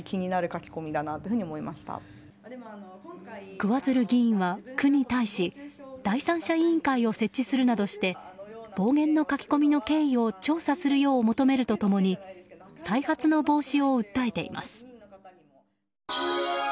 桑水流議員は区に対し第三者委員会を設置するなどして暴言の書き込みの経緯を調査するよう求めると共に再発の防止を訴えています。